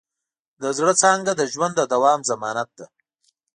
د زړۀ څانګه د ژوند د دوام ضمانت ده.